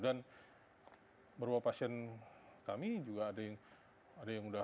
dan beberapa pasien kami juga ada yang berpengalaman kanker anaknya ini ya